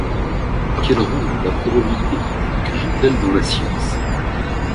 Quels rôles la probabilité physique joue-t-elle dans la science?